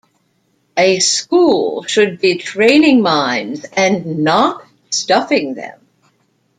A school should be 'training minds and not stuffing them'.